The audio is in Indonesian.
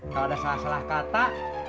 gak ada salah salah kata